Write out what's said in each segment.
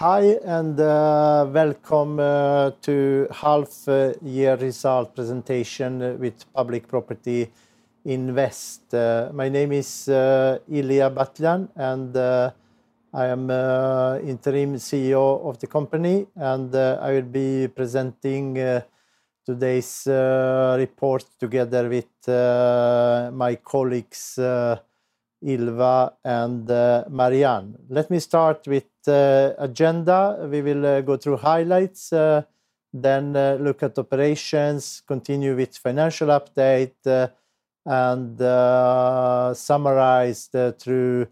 Hi, and welcome to half-year result presentation with Public Property Invest. My name is Ilija Batljan, and I am Interim CEO of the company, and I will be presenting today's report together with my colleagues, Ylva and Marianne. Let me start with the agenda. We will go through highlights, then look at operations, continue with financial update, and summarize through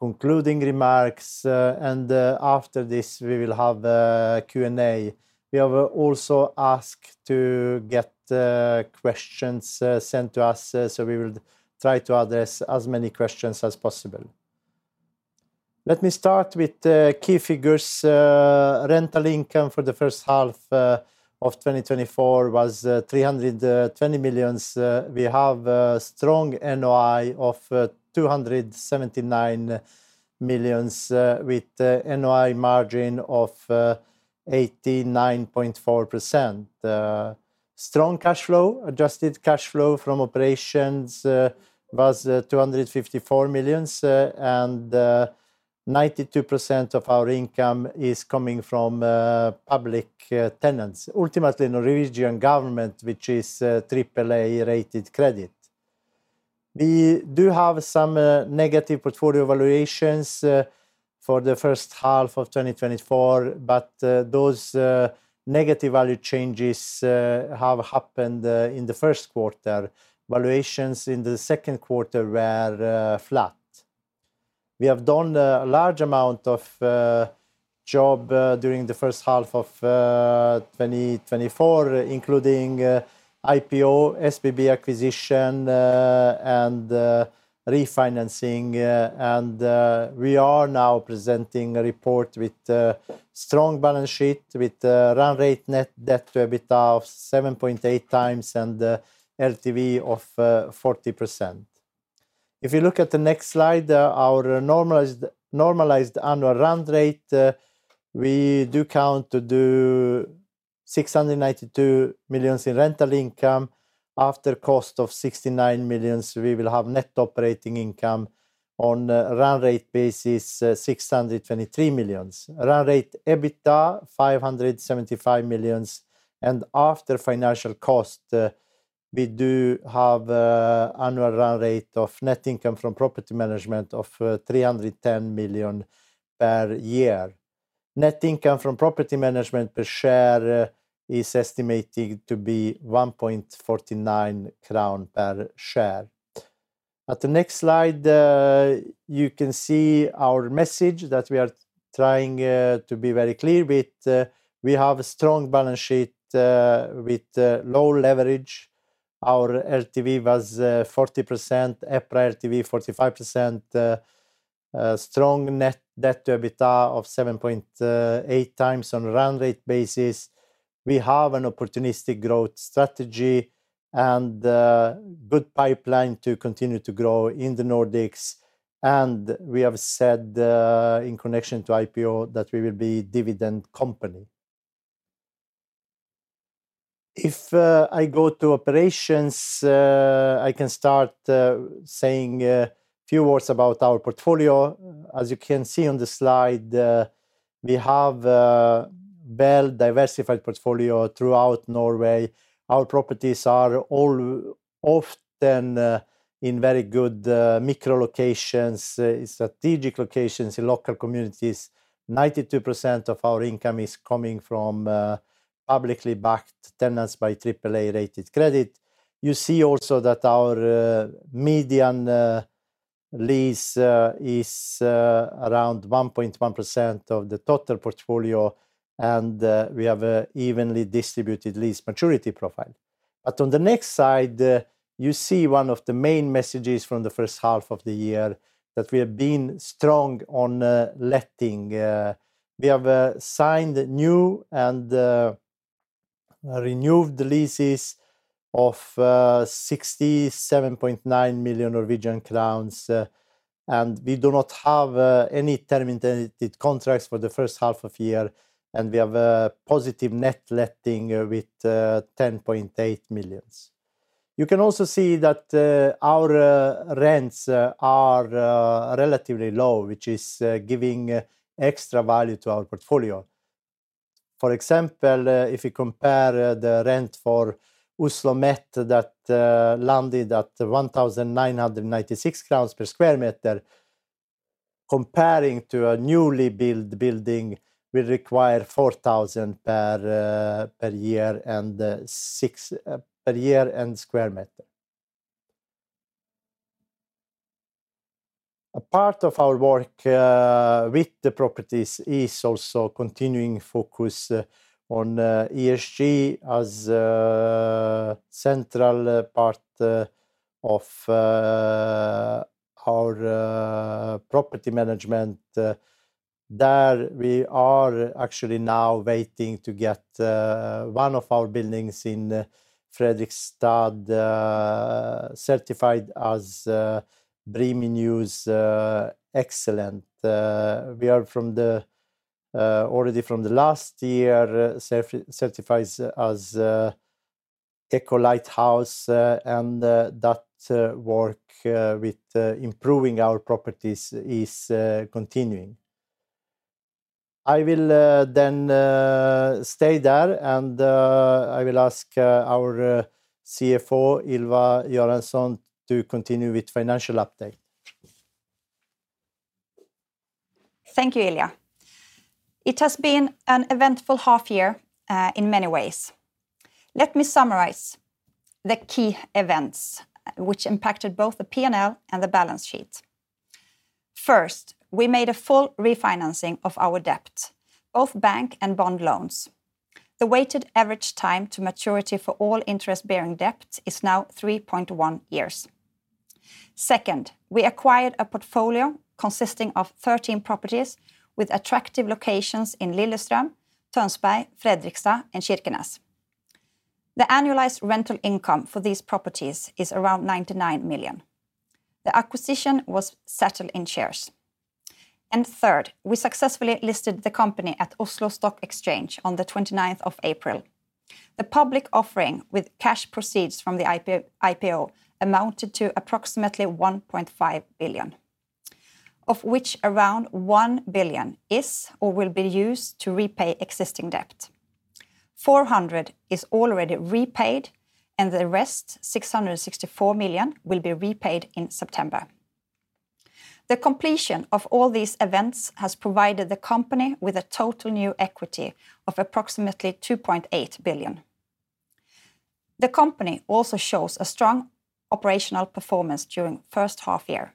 concluding remarks. And after this, we will have a Q&A. We have also asked to get questions sent to us, so we will try to address as many questions as possible. Let me start with the key figures. Rental income for the first half of 2024 was 320 million. We have a strong NOI of 279 million with NOI margin of 89.4%. Strong cash flow. Adjusted cash flow from operations was 254 million and 92% of our income is coming from public tenants. Ultimately, Norwegian Government, which is AAA-rated credit. We do have some negative portfolio valuations for the first half of 2024, but those negative value changes have happened in the first quarter. Valuations in the second quarter were flat. We have done a large amount of work during the first half of 2024, including IPO, SBB acquisition and refinancing. And, we are now presenting a report with, strong balance sheet, with, run rate net debt to EBITDA of 7.8 times, and LTV of 40%. If you look at the next slide, our normalized annual run rate, we do count to do 692 million in rental income. After cost of 69 million, we will have net operating income on a run rate basis, 623 million. Run rate EBITDA, 575 million, and after financial cost, we do have, annual run rate of net income from property management of, 310 million per year. Net income from property management per share, is estimated to be 1.49 crown per share. At the next slide, you can see our message, that we are trying to be very clear with. We have a strong balance sheet with low leverage. Our LTV was 40%, EPRA LTV 45%. Strong net debt to EBITDA of 7.8 times on run rate basis. We have an opportunistic growth strategy and good pipeline to continue to grow in the Nordics, and we have said, in connection to IPO, that we will be dividend company. If I go to operations, I can start saying a few words about our portfolio. As you can see on the slide, we have well-diversified portfolio throughout Norway. Our properties are all often in very good micro locations, strategic locations in local communities. 92% of our income is coming from publicly backed tenants by AAA-rated credit. You see also that our median lease is around 1.1% of the total portfolio, and we have evenly distributed lease maturity profile. But on the next side you see one of the main messages from the first half of the year, that we have been strong on letting. We have signed new and renewed leases of 67.9 million Norwegian crowns, and we do not have any terminated contracts for the first half of year, and we have a positive net letting with 10.8 million. You can also see that our rents are relatively low, which is giving extra value to our portfolio. For example, if you compare the rent for OsloMet, that landed at 1,996 crowns per sq m, comparing to a newly built building will require 4,000 NOK per year, and 6,000 NOK per year and sq m. A part of our work with the properties is also continuing focus on ESG as a central part of our property management. There we are actually now waiting to get one of our buildings in Fredrikstad certified as BREEAM In-Use Excellent. We are from the already from the last year certified as Eco-Lighthouse, and that work with improving our properties is continuing. I will then stay there, and I will ask our CFO, Ylva Göransson, to continue with financial update. Thank you, Ilija. It has been an eventful half year in many ways. Let me summarize the key events, which impacted both the P&L and the balance sheet. First, we made a full refinancing of our debt, both bank and bond loans. The weighted average time to maturity for all interest-bearing debt is now 3.1 years. Second, we acquired a portfolio consisting of 13 properties with attractive locations in Lillestrøm, Tønsberg, Fredrikstad, and Kirkenes. The annualized rental income for these properties is around 99 million. The acquisition was settled in shares. Third, we successfully listed the company at Oslo Stock Exchange on the 29th of April. The public offering with cash proceeds from the IPO amounted to approximately 1.5 billion, of which around 1 billion is or will be used to repay existing debt. 400 is already repaid, and the rest, 664 million, will be repaid in September. The completion of all these events has provided the company with a total new equity of approximately 2.8 billion. The company also shows a strong operational performance during first half year.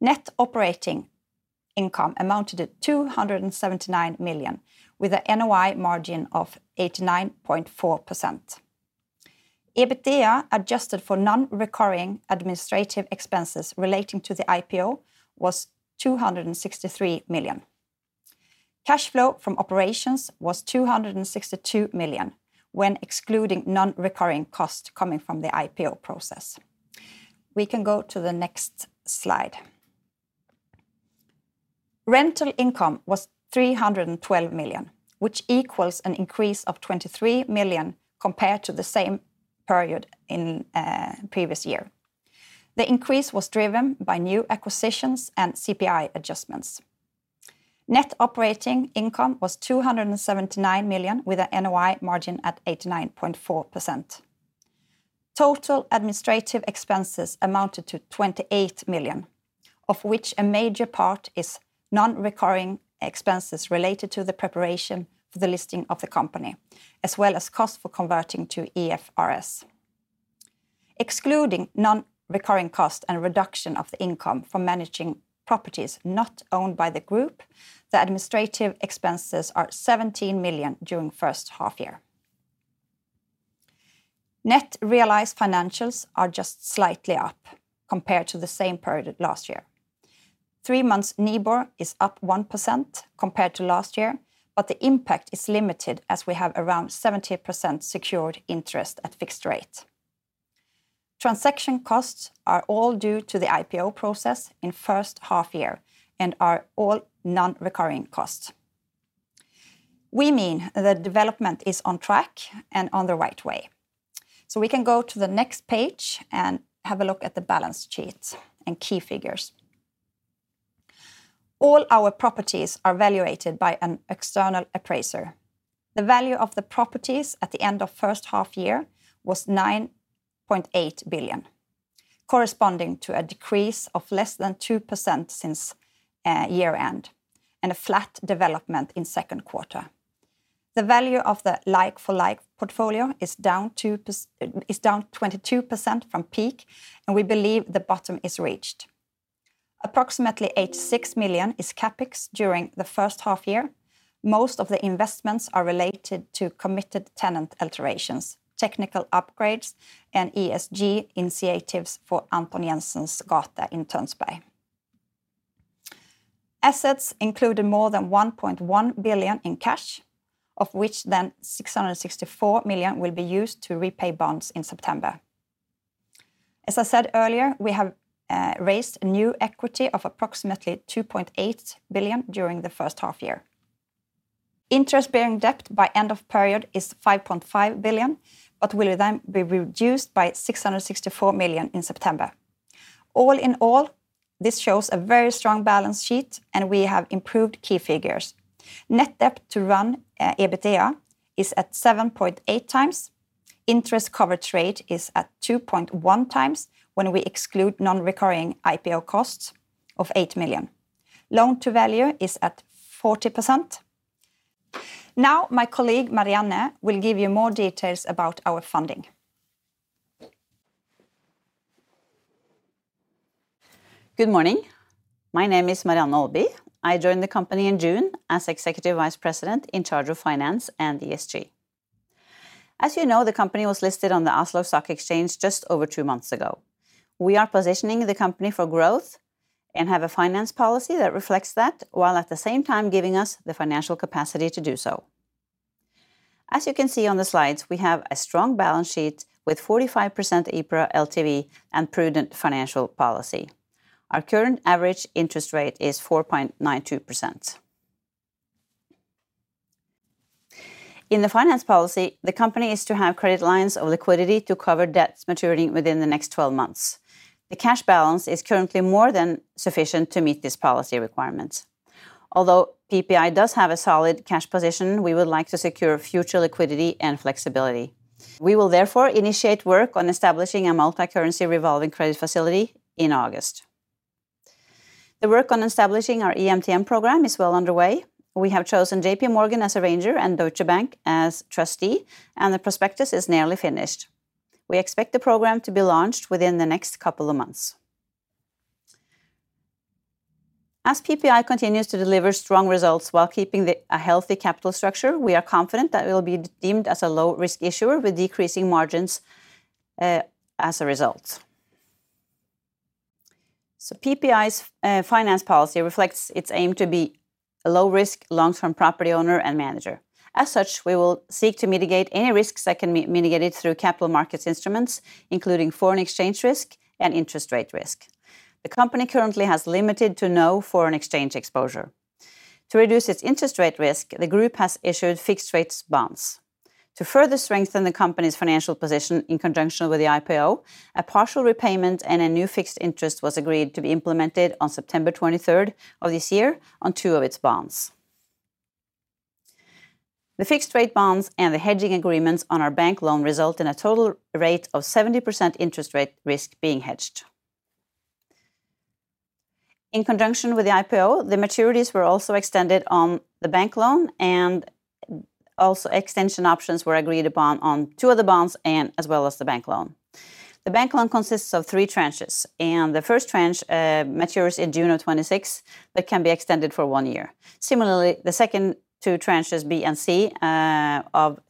Net operating income amounted to 279 million, with an NOI margin of 89.4%. EBITDA, adjusted for non-recurring administrative expenses relating to the IPO, was 263 million. Cash flow from operations was 262 million when excluding non-recurring costs coming from the IPO process. We can go to the next slide. Rental income was 312 million, which equals an increase of 23 million compared to the same period in previous year. The increase was driven by new acquisitions and CPI adjustments. Net operating income was 279 million, with an NOI margin at 89.4%. Total administrative expenses amounted to 28 million, of which a major part is non-recurring expenses related to the preparation for the listing of the company, as well as cost for converting to IFRS. Excluding non-recurring costs and reduction of the income from managing properties not owned by the group, the administrative expenses are 17 million during first half year. Net realized financials are just slightly up compared to the same period last year. Three-month NIBOR is up 1% compared to last year, but the impact is limited, as we have around 70% secured interest at fixed rate. Transaction costs are all due to the IPO process in first half year and are all non-recurring costs. We mean the development is on track and on the right way. So we can go to the next page and have a look at the balance sheets and key figures. All our properties are valuated by an external appraiser. The value of the properties at the end of first half year was 9.8 billion, corresponding to a decrease of less than 2% since year-end, and a flat development in second quarter. The value of the like for like portfolio is down 22% from peak, and we believe the bottom is reached. Approximately 86 million is CapEx during the first half year. Most of the investments are related to committed tenant alterations, technical upgrades, and ESG initiatives for Anton Jenssens gate in Tønsberg. Assets included more than 1.1 billion in cash, of which then 664 million will be used to repay bonds in September. As I said earlier, we have raised new equity of approximately 2.8 billion during the first half year. Interest-bearing debt by end of period is 5.5 billion, but will then be reduced by 664 million in September. All in all, this shows a very strong balance sheet, and we have improved key figures. Net debt to EBITDA is at 7.8 times. Interest coverage rate is at 2.1 times when we exclude non-recurring IPO costs of 8 million. Loan to value is at 40%. Now, my colleague Marianne will give you more details about our funding. Good morning. My name is Marianne Aalby. I joined the company in June as Executive Vice President in charge of Finance and ESG. As you know, the company was listed on the Oslo Stock Exchange just over two months ago. We are positioning the company for growth and have a finance policy that reflects that, while at the same time giving us the financial capacity to do so. As you can see on the slides, we have a strong balance sheet with 45% EPRA LTV and prudent financial policy. Our current average interest rate is 4.92%.... In the finance policy, the company is to have credit lines of liquidity to cover debts maturing within the next 12 months. The cash balance is currently more than sufficient to meet this policy requirement. Although PPI does have a solid cash position, we would like to secure future liquidity and flexibility. We will therefore initiate work on establishing a multi-currency revolving credit facility in August. The work on establishing our EMTN program is well underway. We have chosen J.P. Morgan as arranger and Deutsche Bank as trustee, and the prospectus is nearly finished. We expect the program to be launched within the next couple of months. As PPI continues to deliver strong results while keeping a healthy capital structure, we are confident that it will be deemed as a low-risk issuer, with decreasing margins as a result. So PPI's finance policy reflects its aim to be a low-risk, long-term property owner and manager. As such, we will seek to mitigate any risks that can be mitigated through capital markets instruments, including foreign exchange risk and interest rate risk. The company currently has limited to no foreign exchange exposure. To reduce its interest rate risk, the group has issued fixed-rate bonds. To further strengthen the company's financial position in conjunction with the IPO, a partial repayment and a new fixed interest was agreed to be implemented on September 23rd of this year on two of its bonds. The fixed-rate bonds and the hedging agreements on our bank loan result in a total rate of 70% interest rate risk being hedged. In conjunction with the IPO, the maturities were also extended on the bank loan, and also extension options were agreed upon on two of the bonds and as well as the bank loan. The bank loan consists of three tranches, and the first tranche matures in June of 2026, but can be extended for one year. Similarly, the second two tranches, B and C, of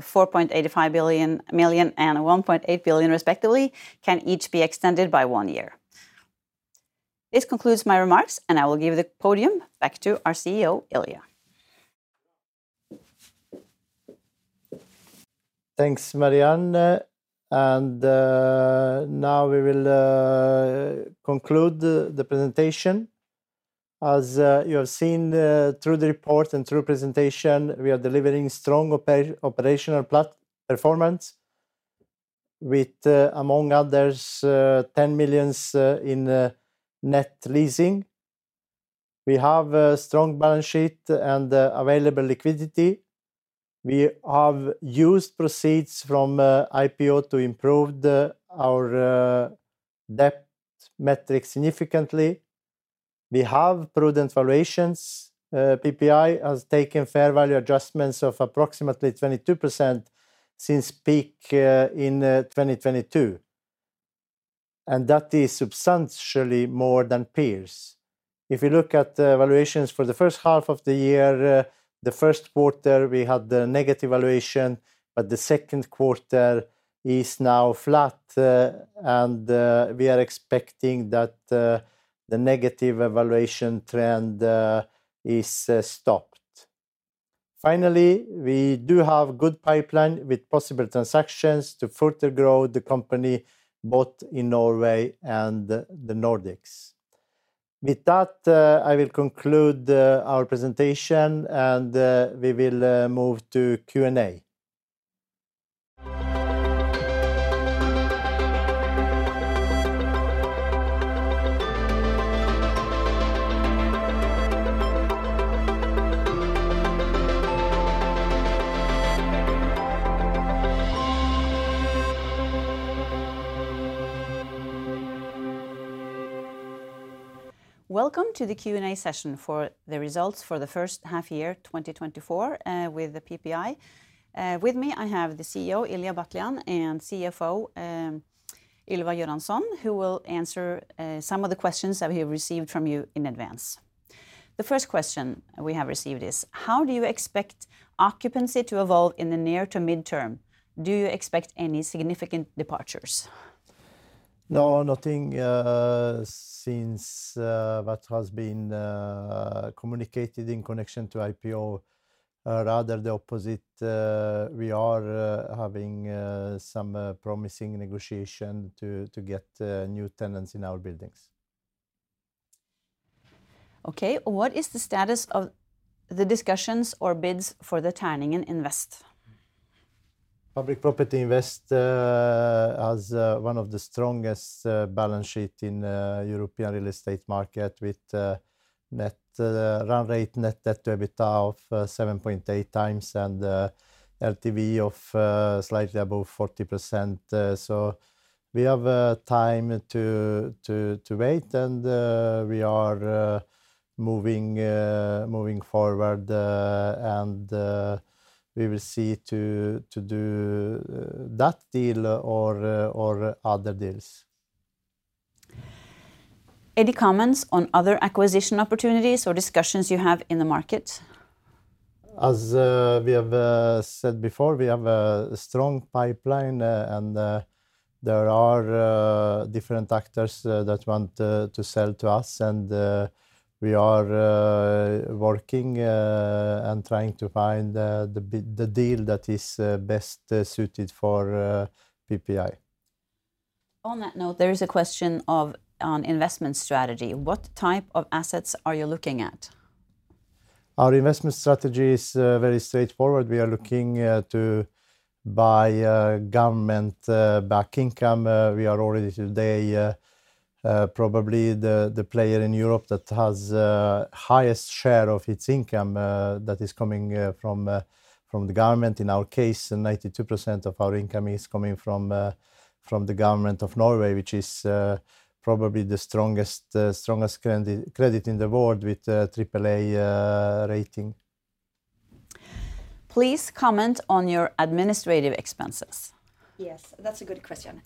485 million and 1.8 billion, respectively, can each be extended by one year. This concludes my remarks, and I will give the podium back to our CEO, Ilija. Thanks, Marianne, and now we will conclude the presentation. As you have seen through the report and through presentation, we are delivering strong operational performance with, among others, 10 million in net leasing. We have a strong balance sheet and available liquidity. We have used proceeds from IPO to improve our debt metric significantly. We have prudent valuations. PPI has taken fair value adjustments of approximately 22% since peak in 2022, and that is substantially more than peers. If you look at the valuations for the first half of the year, the first quarter, we had the negative valuation, but the second quarter is now flat, and we are expecting that the negative valuation trend is stopped. Finally, we do have good pipeline with possible transactions to further grow the company, both in Norway and the Nordics. With that, I will conclude our presentation, and we will move to Q&A. Welcome to the Q&A session for the results for the first half year, 2024, with the PPI. With me, I have the CEO, Ilija Batljan, and CFO, Ylva Göransson, who will answer some of the questions that we have received from you in advance. The first question we have received is: How do you expect occupancy to evolve in the near to midterm? Do you expect any significant departures? No, nothing since what has been communicated in connection to IPO, rather the opposite. We are having some promising negotiation to get new tenants in our buildings. Okay, what is the status of the discussions or bids for the Terningen Invest? Public Property Invest has one of the strongest balance sheet in European real estate market with net run rate net debt to EBITDA of 7.8 times, and LTV of slightly above 40%. So we have time to wait, and we are moving forward, and we will see to do that deal or other deals. Any comments on other acquisition opportunities or discussions you have in the market? As we have said before, we have a strong pipeline, and there are different actors that want to sell to us, and we are working and trying to find the deal that is best suited for PPI.... On that note, there is a question of, on investment strategy. What type of assets are you looking at? Our investment strategy is very straightforward. We are looking to buy government backed income. We are already today probably the player in Europe that has highest share of its income that is coming from the government. In our case, 92% of our income is coming from the government of Norway, which is probably the strongest credit in the world with triple A rating. Please comment on your administrative expenses. Yes, that's a good question.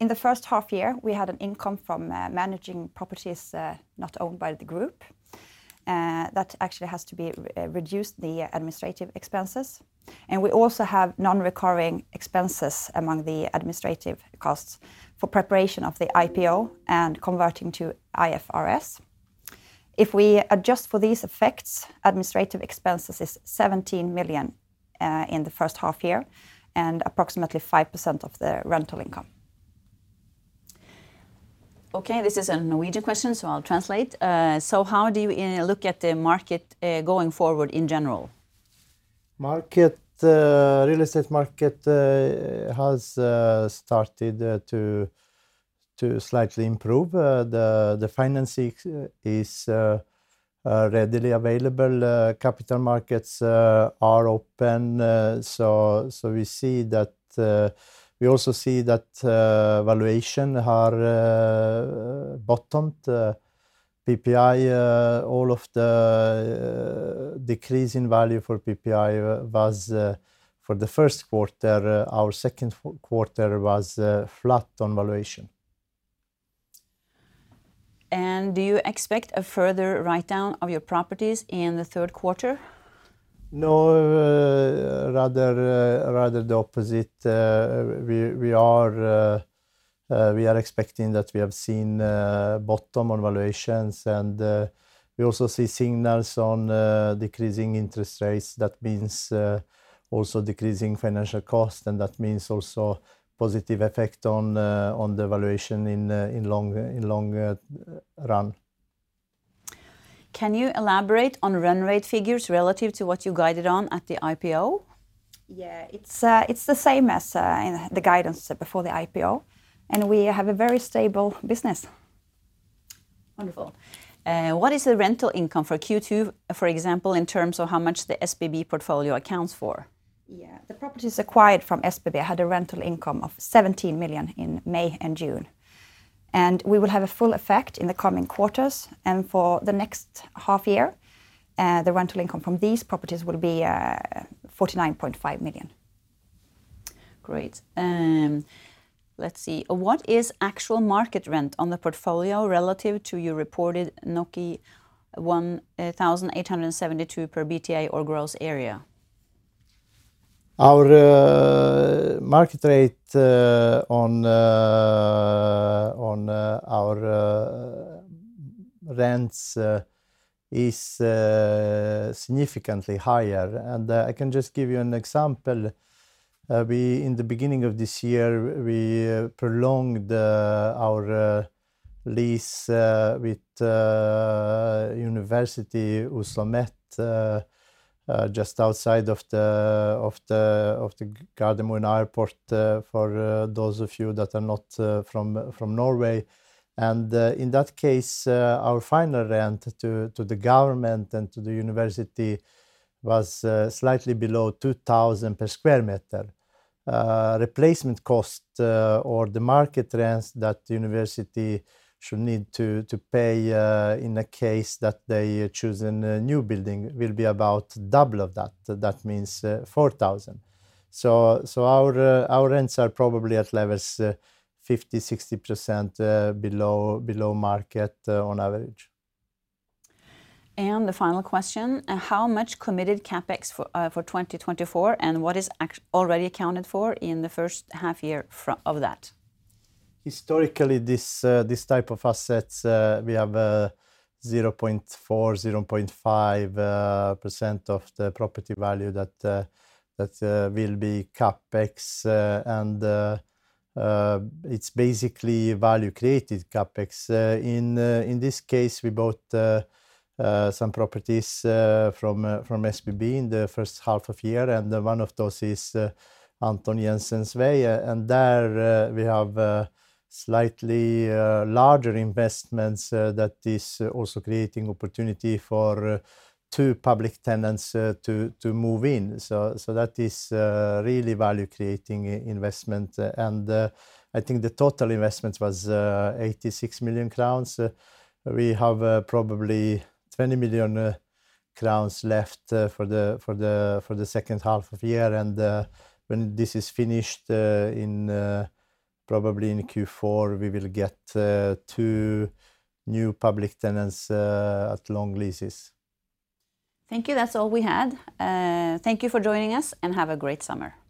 In the first half year, we had an income from managing properties not owned by the group. That actually has to be reduced, the administrative expenses, and we also have non-recurring expenses among the administrative costs for preparation of the IPO and converting to IFRS. If we adjust for these effects, administrative expenses is 17 million in the first half year, and approximately 5% of the rental income. Okay, this is a Norwegian question, so I'll translate. "So how do you look at the market going forward in general? The real estate market has started to slightly improve. The financing is readily available. Capital markets are open. So we see that. We also see that valuations are bottomed. PPI, all of the decrease in value for PPI was for the first quarter. Our second quarter was flat on valuation. Do you expect a further write-down of your properties in the third quarter? No, rather, rather the opposite. We are expecting that we have seen bottom on valuations, and we also see signals on decreasing interest rates. That means also decreasing financial cost, and that means also positive effect on the valuation in long run. Can you elaborate on run rate figures relative to what you guided on at the IPO? Yeah, it's the same as in the guidance before the IPO, and we have a very stable business. Wonderful. What is the rental income for Q2, for example, in terms of how much the SBB portfolio accounts for? Yeah. The properties acquired from SBB had a rental income of 17 million in May and June, and we will have a full effect in the coming quarters. And for the next half year, the rental income from these properties will be 49.5 million. Great. Let's see. What is actual market rent on the portfolio relative to your reported 1,872 per BTA or gross area? Our market rate on our rents is significantly higher, and I can just give you an example. We, in the beginning of this year, we prolonged our lease with OsloMet just outside of the Gardermoen Airport, for those of you that are not from Norway. And in that case, our final rent to the government and to the university was slightly below 2,000 per square meter. Replacement cost or the market rents that the university should need to pay in the case that they choose a new building will be about double of that. That means 4,000. Our rents are probably at levels 50%-60% below market on average. The final question: How much committed CapEx for 2024, and what is already accounted for in the first half year of that? Historically, this type of assets, we have 0.4-0.5% of the property value that will be CapEx. And it's basically value created CapEx. In this case, we bought some properties from SBB in the first half of year, and one of those is Anton Jenssens gate. And there, we have slightly larger investments that is also creating opportunity for two public tenants to move in. So, that is really value-creating investment. And I think the total investment was 86 million crowns. We have probably 20 million crowns left for the second half of the year. When this is finished, probably in Q4, we will get two new public tenants at long leases. Thank you. That's all we had. Thank you for joining us, and have a great summer.